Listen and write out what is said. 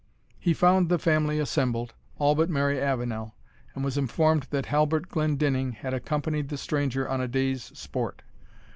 He found the family assembled, all but Mary Avenel, and was informed that Halbert Glendinning had accompanied the stranger on a day's sport.